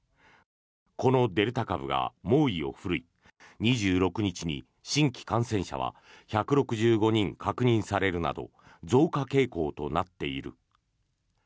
このデルタ株が猛威を振るい２６日に新規感染者は１６５人確認されるなど増加傾向となっている。